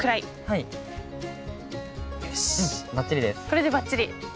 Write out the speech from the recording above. これでばっちり。